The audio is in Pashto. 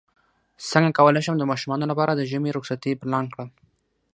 څنګه کولی شم د ماشومانو لپاره د ژمی رخصتۍ پلان کړم